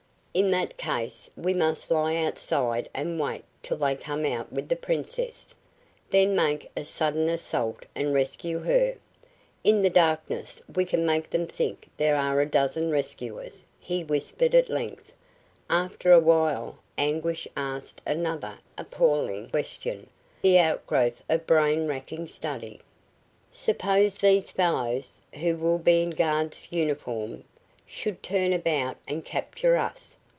"In that case we must lie outside and wait till they come out with the Princess. Then make a sudden assault and rescue her. In the darkness we can make them think there are a dozen rescuers," he whispered at length. After a while Anguish asked another appalling question, the outgrowth of brain racking study: "Suppose these fellows, who will be in guards' uniform, should turn about and capture us.